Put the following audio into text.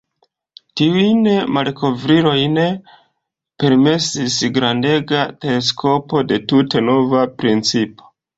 Tiujn malkovrojn permesis grandega teleskopo de tute nova principo.